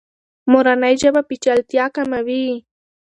مورنۍ ژبه پیچلتیا کموي.